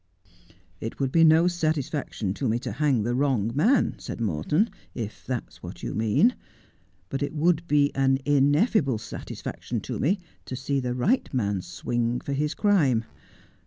' It would be no satisfaction to me to hang the wrong man,' said Morton, 'if that's what you mean. But it would be an ineffable satisfaction to me to see the right man swing for his crime.